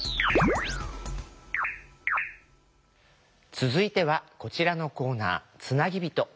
続いてはこちらのコーナー「つなぎびと」。